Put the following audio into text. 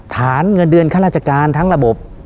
ฐานเงินเดือนข้าราชการทั้งระบบ